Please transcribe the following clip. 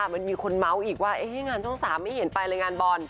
มันมีคนเมาส์อีกว่างานช่อง๓ไม่เห็นไปเลยงานบอล